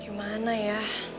aduh gimana ya